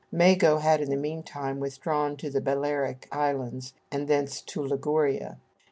Mago had in the meantime withdrawn to the Balearic Islands, and thence to Liguria.